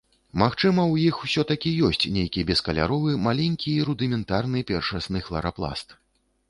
Магчыма ў іх усё-такі ёсць нейкі бескаляровы, маленькі і рудыментарны першасны хларапласт.